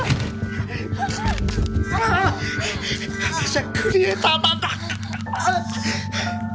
私はクリエイターなんだ！